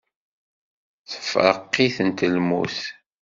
Tefreq-iten lmut.